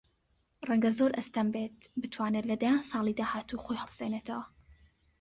ڕەنگە زۆر ئەستەم بێت بتوانێت لە دەیان ساڵی داهاتوو خۆی هەڵسێنێتەوە